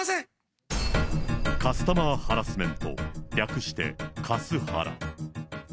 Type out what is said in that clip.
カスタマーハラスメント、略してカスハラ。